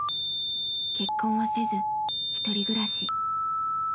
結婚はせずひとり暮らし。